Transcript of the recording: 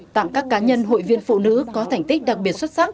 tặng các cá nhân hội viên phụ nữ có thành tích đặc biệt xuất sắc